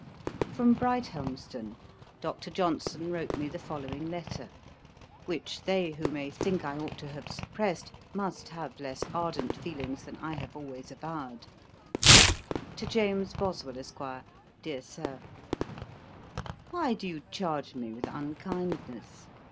From Brighthelmstone Dr. Johnson wrote me the following letter, which they who may think that I ought to have suppressed, must have less ardent feelings than I have always avowed. 'To JAMES BOSWELL, ESQ. 'DEAR SIR, 'Why do you charge me with unkindness?